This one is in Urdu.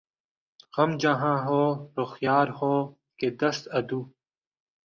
غم جہاں ہو رخ یار ہو کہ دست عدو